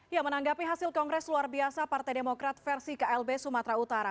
yang menanggapi hasil kongres luar biasa partai demokrat versi klb sumatera utara